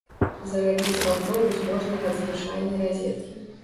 Зарадзіць аўтобус можна ад звычайнай разеткі.